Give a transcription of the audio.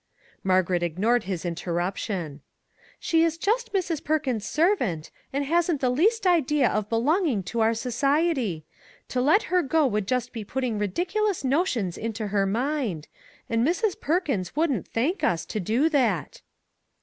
Margaret ignored his interruption. " She is just Mrs. Perkins's servant, and hasn't the 200 WHITE DRESSES least idea of belonging to our society; to let her go would just be putting ridiculous notions into her mind; and Mrs. Perkins wouldn't thank us to do that."